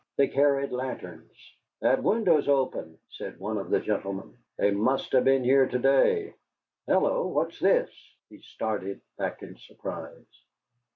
They carried lanterns. "That window's open," said one of the gentlemen. "They must have been here to day. Hello, what's this?" He started back in surprise.